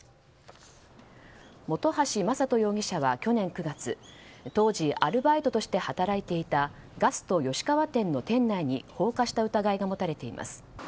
本橋真人容疑者は去年９月当時アルバイトとして働いていたガスト吉川店の店内に放火した疑いが持たれています。